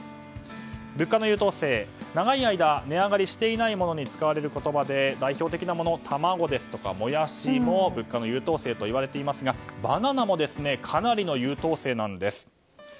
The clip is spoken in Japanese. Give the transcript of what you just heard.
物価の優等生長い間値上がりしていないものに使われる言葉で代表的なもの、卵、モヤシも物価の優等生といわれていますがバナナもかなりの優等生なんです。